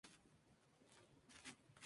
Murió tres meses más tarde.